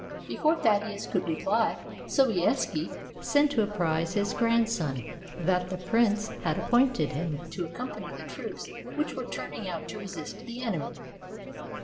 Before Thaddeus could reply, Sobieski sent to apprise his grandson that the prince had appointed him to accompany the troops which were turning out to resist the enemy.